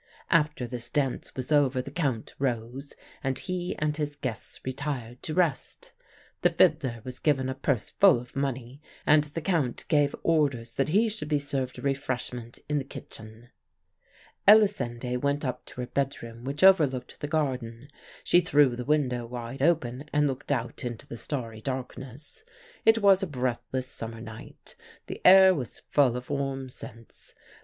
"After this dance was over the Count rose, and he and his guests retired to rest. The fiddler was given a purse full of money, and the Count gave orders that he should be served refreshment in the kitchen. "Elisinde went up to her bedroom, which overlooked the garden. She threw the window wide open and looked out into the starry darkness. It was a breathless summer night. The air was full of warm scents.